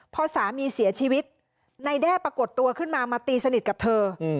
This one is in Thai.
พอสามีเสียชีวิตในแด้ปรากฏตัวขึ้นมามาตีสนิทกับเธอ